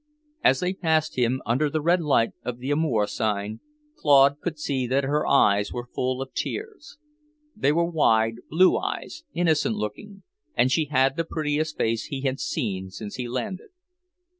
As they passed him, under the red light of the Amour sign, Claude could see that her eyes were full of tears. They were wide, blue eyes, innocent looking, and she had the prettiest face he had seen since he landed.